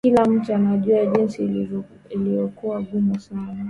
kila mtu anajua jinsi ilivyokuwa ngumu sana